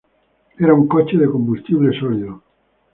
Era un cohete de combustible sólido.